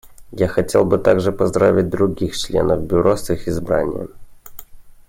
Я хотел бы также поздравить других членов Бюро с их избранием.